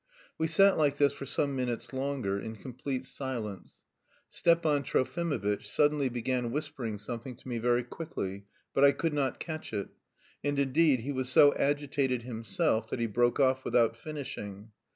We sat like this for some minutes longer in complete silence. Stepan Trofimovitch suddenly began whispering something to me very quickly, but I could not catch it; and indeed, he was so agitated himself that he broke off without finishing.